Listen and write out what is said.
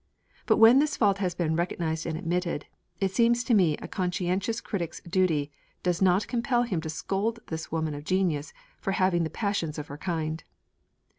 But when this fault has been recognised and admitted, it seems to me a conscientious critic's duty does not compel him to scold this woman of genius for having the passions of her kind.